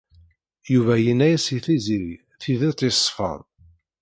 Yuba yenna-as i Tiziri tidet yeṣfan.